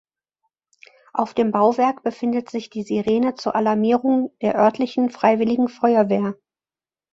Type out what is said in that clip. Auf dem Bauwerk befindet sich die Sirene zur Alarmierung der örtlichen Freiwilligen Feuerwehr.